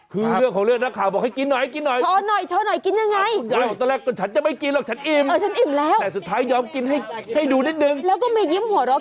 คือเรื่องของเลือดนักข่าวบอกให้กินหน่อย